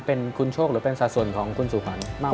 เป็นคุณโชคหรือเป็นสาสนของคุณสุขรมากว่าคะ